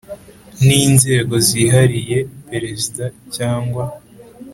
N inzego zihariye perezida cyangwa